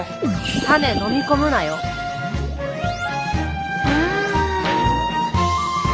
種飲み込むなよ。わ。